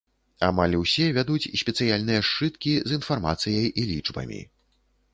Амаль усе вядуць спецыяльныя сшыткі з інфармацыяй і лічбамі.